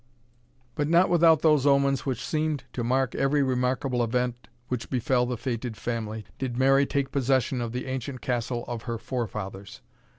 But not without those omens which seemed to mark every remarkable event which befell the fated family, did Mary take possession of the ancient castle of her forefathers.